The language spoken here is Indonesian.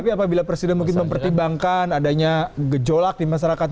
tapi apabila presiden mungkin mempertimbangkan adanya gejolak di masyarakat